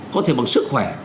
có thể bằng sức khỏe